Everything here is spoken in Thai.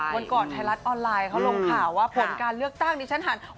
วันก่อนไทยรัฐออนไลน์เขาลงข่าวว่าผลการเลือกตั้งดิฉันหัน